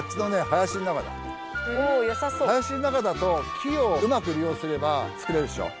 林の中だと木をうまく利用すれば作れるでしょう。